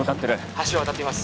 ☎橋を渡っています